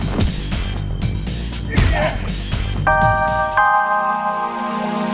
jadi kepala kapal adalah the way in pink